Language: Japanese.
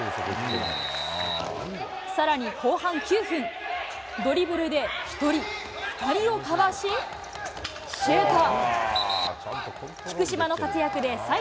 さらに後半９分、ドリブルで１人、２人をかわし、シュート。